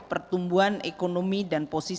pertumbuhan ekonomi dan posisi